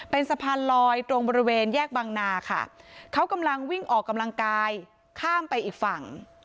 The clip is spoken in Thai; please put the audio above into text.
เป็นสะพานลอยตรงบริเวณแยกบังนาค่ะเขากำลังวิ่งออกกำลังกายข้ามไปอีกฝั่ง